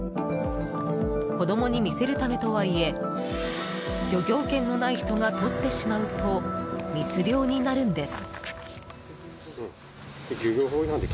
子供に見せるためとはいえ漁業権のない人がとってしまうと密漁になるんです。